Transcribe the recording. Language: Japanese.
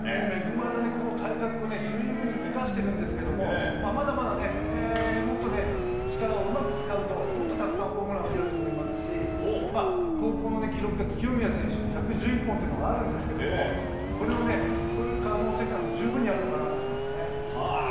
恵まれたこの体格を十二分に生かしているんですけどまだまだもっと力をうまく使うともっとたくさんホームランを打てると思いますし高校の記録が清宮選手の１１１本というのがあるんですけどこれを超える可能性が十分にあるのかなと思いますね。